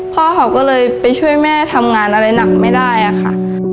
พ่อเขาก็เลยไปช่วยแม่ทำงานอะไรหนักไม่ได้อะค่ะ